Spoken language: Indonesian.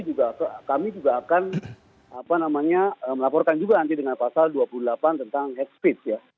juga kami juga akan melaporkan juga nanti dengan pasal dua puluh delapan tentang head speech ya